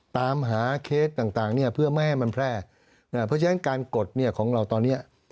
ตามหาเคสต่างเนี่ยเพื่อไม่ให้มันแพร่เพราะฉะนั้นการกดเนี่ยของเราตอนเนี้ย